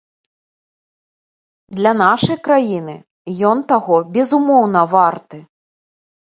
Для нашай краіны ён таго, безумоўна, варты.